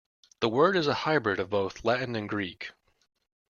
The word is a hybrid of both Latin and Greek.